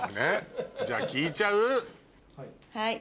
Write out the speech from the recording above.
じゃあ聞いちゃう？